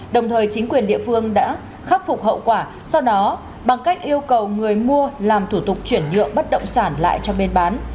đồng thời chính quyền địa phương đã khắc phục hậu quả sau đó bằng cách yêu cầu người mua làm thủ tục chuyển nhượng bất động sản lại cho bên bán